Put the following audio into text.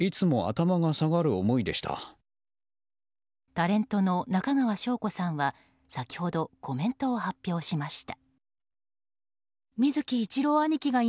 タレントの中川翔子さんは先ほどコメントを発表しました。